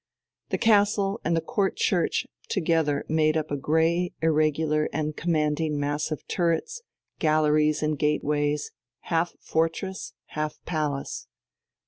The castle and the Court Church together made up a grey, irregular, and commanding mass of turrets, galleries, and gateways, half fortress, half palace.